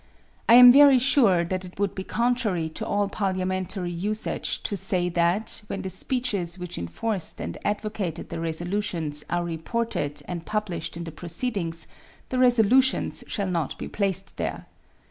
I am very sure that it would be contrary to all parliamentary usage to say that, when the speeches which enforced and advocated the resolutions are reported and published in the proceedings, the resolutions shall not be placed there.